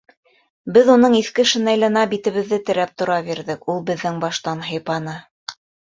Беҙ уның иҫке шинеленә битебеҙҙе терәп тора бирҙек, ул беҙҙең баштан һыйпаны.